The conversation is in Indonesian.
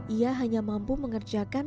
ia hanya mampu mengerjakan